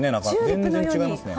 全然違いますね。